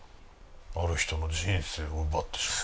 ある人の人生を奪ってしまった。